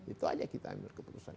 itu aja kita ambil keputusan